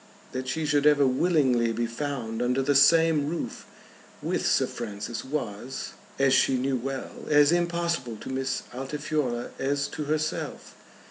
That she should ever willingly be found under the same roof with Sir Francis was, as she knew well, as impossible to Miss Altifiorla as to herself.